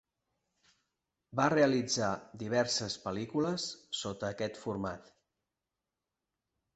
Va realitzar diverses pel·lícules sota aquest format.